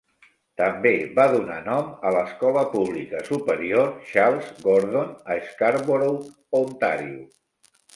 També va donar nom a l'escola pública superior Charles Gordon a Scarborough, Ontario.